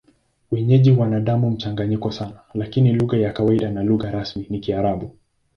Wenyeji wana damu mchanganyiko sana, lakini lugha ya kawaida na lugha rasmi ni Kiarabu.